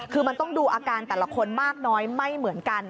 คือมันต้องดูอาการแต่ละคนมากน้อยไม่เหมือนกัน